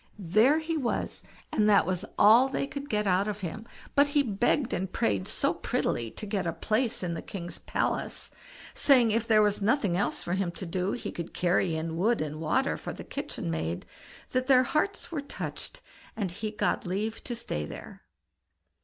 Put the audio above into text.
There he was, and that was all they could get out of him; but he begged and prayed so prettily to get a place in the king's palace; saying, if there was nothing else for him to do, he could carry in wood and water for the kitchen maid, that their hearts were touched, and he got leave to stay there.